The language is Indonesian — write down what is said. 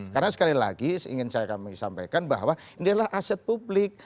karena sekali lagi ingin saya kami sampaikan bahwa ini adalah aset publik